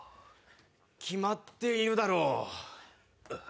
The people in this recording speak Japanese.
決まっているだろう。